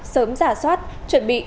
sớm giả soát chuẩn bị